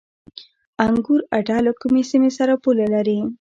انګور اډه له کومې سیمې سره پوله لري؟